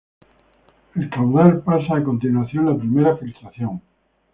El caudal pasa a continuación la primera filtración.